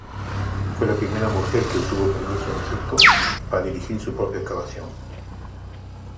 Fue la primera mujer que obtuvo permiso en Egipto para dirigir su propia excavación.